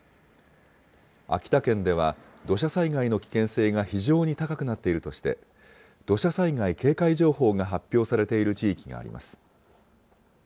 秋田県では、土砂災害の危険性が非常に高くなっているとして、土砂災害警戒情報が発表されている地域があります。